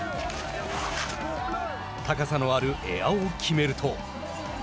高さのあるエアを決めると。